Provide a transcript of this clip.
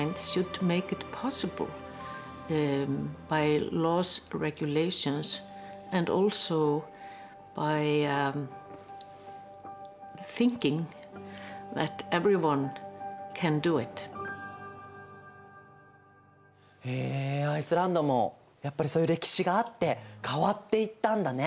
エーリンさんにとってへえアイスランドもやっぱりそういう歴史があって変わっていったんだね。